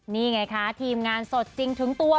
นี่ไงคะทีมงานสดจริงถึงตัว